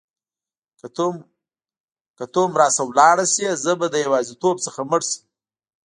که ته هم رانه ولاړه شې زه به له یوازیتوب څخه مړ شم.